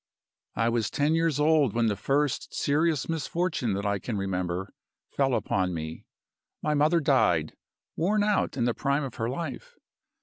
"I was ten years old when the first serious misfortune that I can remember fell upon me. My mother died, worn out in the prime of her life.